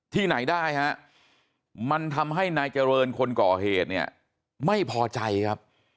ที่ไหนได้ฮะมันทำให้นายเจริญคนก่อเหตุเนี่ยไม่พอใจครับ